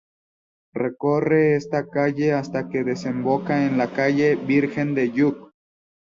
Recorre esta calle hasta que desemboca en la calle Virgen de Lluc.